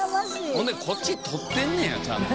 ほんでこっち撮ってんねやちゃんと。